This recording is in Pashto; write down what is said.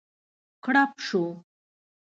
کړپ شو.